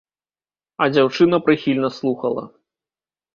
А дзяўчына прыхільна слухала.